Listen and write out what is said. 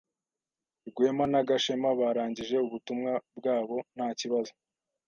Rwema na Gashema barangije ubutumwa bwabo nta kibazo.